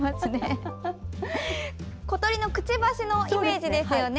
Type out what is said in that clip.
小鳥のくちばしのイメージですよね。